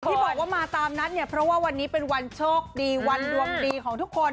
ที่บอกว่ามาตามนัดเนี่ยเพราะว่าวันนี้เป็นวันโชคดีวันดวงดีของทุกคน